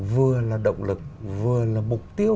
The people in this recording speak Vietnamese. vừa là động lực vừa là mục tiêu